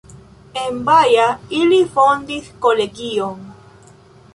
En Baja ili fondis kolegion.